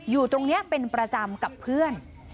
อยู่ตรงนี้เป็นประจำกับเพื่อน